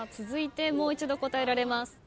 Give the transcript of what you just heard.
続いてもう一度答えられます。